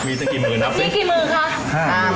มีจะกี่หมึงครับสิ